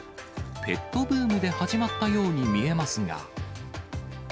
ペットブームで始まったように見えますが。